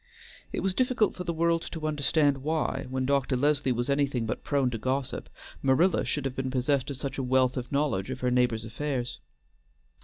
It was difficult for the world to understand why, when Dr. Leslie was anything but prone to gossip, Marilla should have been possessed of such a wealth of knowledge of her neighbors' affairs.